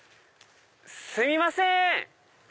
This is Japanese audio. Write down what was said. すいません！